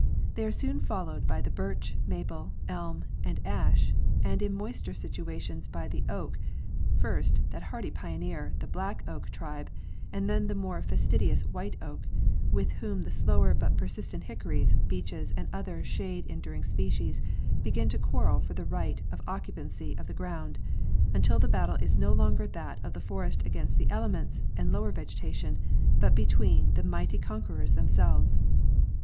They are soon followed by the birche, maple, elm and ash and in moister situations by the oak—first, that hardy pioneer, the black oak tribe, and then the more fastidious white oak, with whom the slower but persistent hickories, beeches and other shade endur ing species begin to quarrel for the right of occupancy of the ground, until the battle is no longer that of the forest against the elements and lower vegetation, but between the mighty con querors themselves.